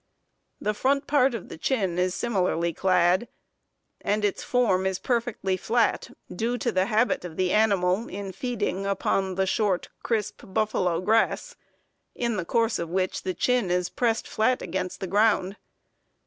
The front part of the chin is similarly clad, and its form is perfectly flat, due to the habit of the animal in feeding upon the short, crisp buffalo grass, in the course of which the chin is pressed flat against the ground.